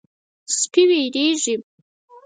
سپي وېرېږي.